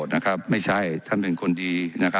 ไม่ได้เป็นประธานคณะกรุงตรี